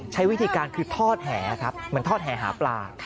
ใช้วิธีการคือทอดแห่ครับเหมือนทอดแห่หาปลา